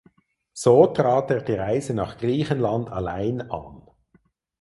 So trat er die Reise nach Griechenland allein an.